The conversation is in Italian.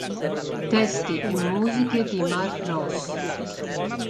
Testi e musiche di Marv Ross.